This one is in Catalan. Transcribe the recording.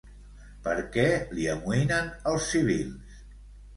Per què li amoïnen els civils?